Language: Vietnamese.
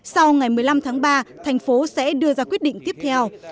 sau ngày một mươi năm tháng ba thành phố sẽ đưa ra quyết định tiếp theo